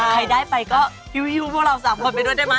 ใครได้ไปก็ยู่พวกเรา๓คนไปด้วยได้ไหม